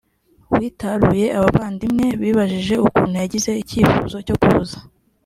witaruye abavandimwe bibajije ukuntu yagize icyifuzo cyo kuza